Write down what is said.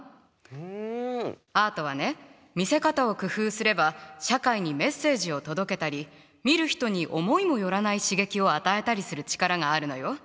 見せ方を工夫すれば社会にメッセージを届けたり見る人に思いもよらない刺激を与えたりする力があるのよ。